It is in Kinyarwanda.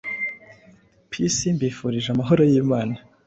Peace mbifurije amahoro y’imana